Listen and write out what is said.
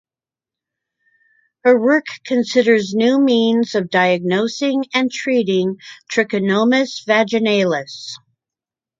Her work considers new means of diagnosing and treating "Trichomonas vaginalis".